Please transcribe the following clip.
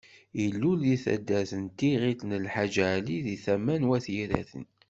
Ilul deg taddart Tiɣilt Lḥaǧ Ali, deg tama n Wat Yiraten.